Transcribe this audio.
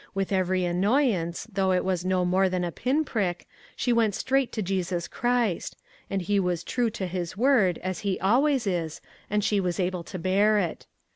With every annoyance, though it was no more than a pin prick, she went straight to Jesus Christ, and he was true to his word, as he always is, and she was able to bear it.